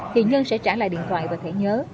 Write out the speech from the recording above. thì nhân sẽ trả lại điện thoại và thể nhớ